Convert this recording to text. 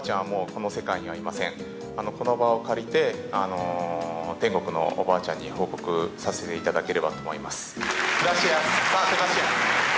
この場を借りて、天国のおばあちゃんに報告させていただければと思います。